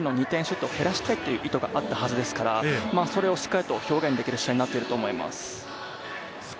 一方、長い距離の２点シュートを減らしたいという意図があったはずですから、それをしっかり表現できる試合になっていると思います。